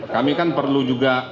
kami kan perlu juga